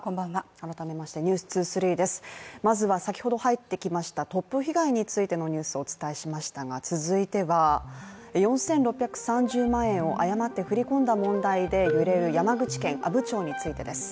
改めまして「ｎｅｗｓ２３」ですまずは先ほど入ってきました突風被害についてのニュースをお伝えしましたが続いては４６３０万円を誤って振り込んだ問題で揺れる山口県阿武町についてです。